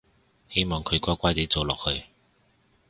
希望佢乖乖哋做落去